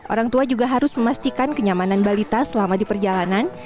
orang tua juga harus memastikan kenyamanan balita selama di perjalanan